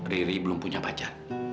riri belum punya pacar